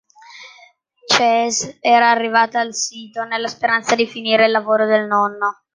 Chase era arrivata al sito nella speranza di finire il lavoro del nonno.